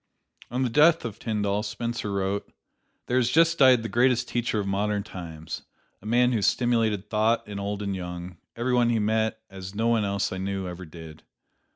On the death of Tyndall, Spencer wrote: "There has just died the greatest teacher of modern times: a man who stimulated thought in old and young, every one he met, as no one else I ever knew did.